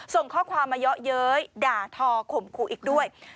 ส่งข้อความมาเยอะเย้ยด่าทอข่มขู่อีกด้วย